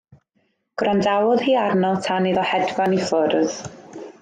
Gwrandawodd hi arno tan iddo hedfan i ffwrdd.